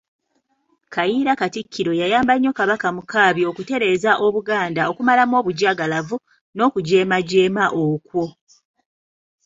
Kayiira Katikkiro yayamba nnyo Kabaka Mukaabya okutereeza Obuganda okumalamu obujagalavu n'okujeemajeema okwo.